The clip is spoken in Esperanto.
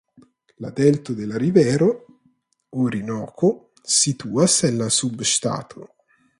La delto de la rivero Orinoko situas en la subŝtato.